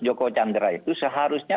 joko chandra itu seharusnya